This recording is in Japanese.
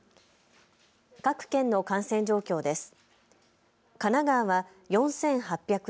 各県の感染状況です。